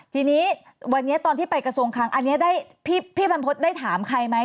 ทีนี้วันนี้ตอนที่ไปกระทรวงคลังอันนี้พี่บรรพฤษได้ถามใครไหม